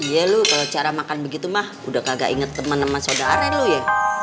iya lo kalo cara makan begitu mak udah kagak inget temen sama saudarin lo ya